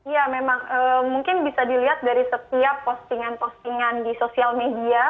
ya memang mungkin bisa dilihat dari setiap postingan postingan di sosial media